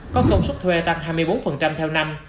có công suất thuê tăng hai mươi bốn theo năm